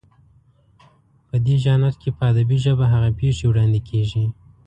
په دې ژانر کې په ادبي ژبه هغه پېښې وړاندې کېږي